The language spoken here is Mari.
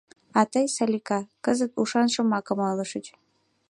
— А тый, Салика, кызыт ушан шомакым ойлышыч!